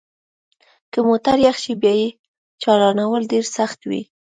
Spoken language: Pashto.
که موټر یخ شي بیا یې چالانول ډیر سخت وي